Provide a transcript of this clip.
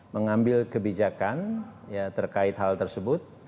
mengambil kebijakan terkait hal tersebut